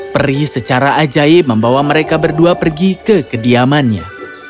peri secara ajaib membawa mereka berdua pergi ke kediamannya